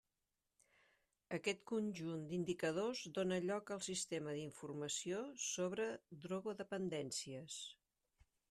Aquest conjunt d'indicadors dóna lloc al sistema d'informació sobre drogodependències.